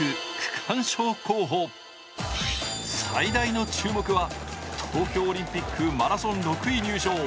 最大の注目は、東京オリンピックマラソン６位入賞。